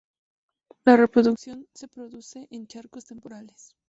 La reproducción se produce en charcos temporales.